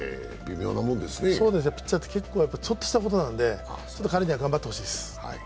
ピッチャーってちょっとしたことなので、彼には頑張ってほしいです。